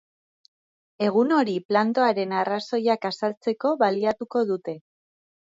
Egun hori plantoaren arrazoiak azaltzeko baliatuko dute.